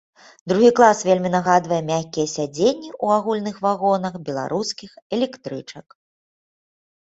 Другі клас вельмі нагадвае мяккія сядзенні ў агульных вагонах беларускіх электрычак.